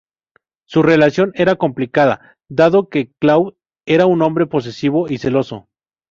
Su relación era complicada, dado que Claude era un hombre posesivo y celoso.